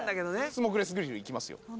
スモークレスグリルいきますよ